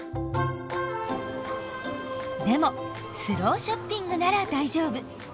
でもスローショッピングなら大丈夫。